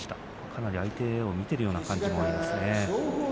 かなり相手を見ているような感じもありますね。